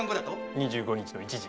２５日の１時。